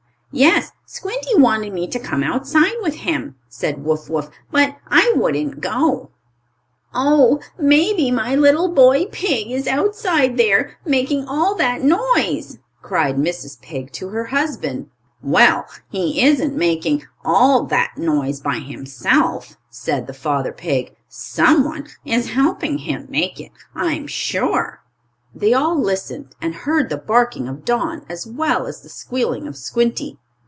"Yes, Squinty wanted me to come outside with him," said Wuff Wuff. "But I wouldn't go." "Oh, maybe my little boy pig is outside there, making all that noise!" cried Mrs. Pig to her husband. "Well, he isn't making all that noise by himself," said the father pig. "Someone is helping him make it, I'm sure." They all listened, and heard the barking of Don, as well as the squealing of Squinty.